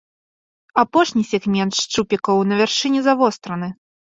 Апошні сегмент шчупікаў на вяршыні завостраны.